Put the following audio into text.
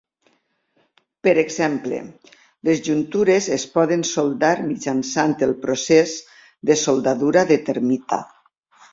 Per exemple, les juntures es poden soldar mitjançant el procés de soldadura de termita.